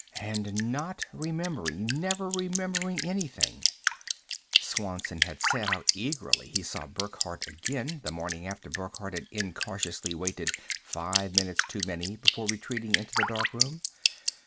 And not remembering, never remembering anything Swanson had said how eagerly he saw Burckhardt again, the morning after Burckhardt had incautiously waited five minutes too many before retreating into the darkroom.